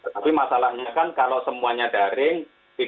tapi masalahnya kan kalau semuanya daring